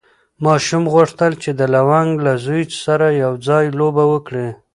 ماشوم غوښتل چې د لونګ له زوی سره یو ځای لوبه وکړي.